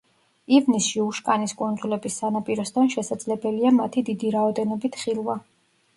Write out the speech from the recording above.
ივნისში უშკანის კუნძულების სანაპიროსთან შესაძლებელია მათი დიდი რაოდენობით ხილვა.